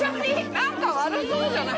なんか悪そうじゃない？